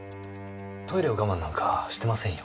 トイレを我慢なんかしてませんよ。